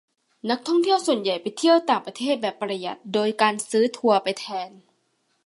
นักท่องเที่ยวส่วนใหญ่ไปเที่ยวต่างประเทศแบบประหยัดโดยการซื้อทัวร์ไปแทน